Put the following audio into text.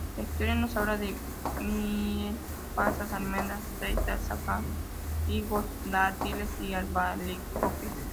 La historia nos habla de miel, pasas, almendras, aceite, azafrán, higos, dátiles y albaricoques.